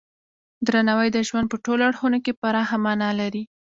درناوی د ژوند په ټولو اړخونو کې پراخه معنی لري.